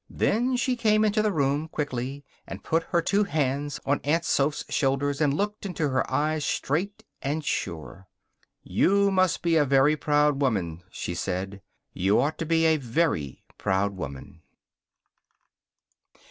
Then she came into the room, quickly, and put her two hands on Aunt Soph's shoulders and looked into her eyes straight and sure. "You must be a very proud woman," she said. "You ought to be a very proud woman."